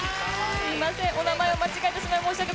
すみません。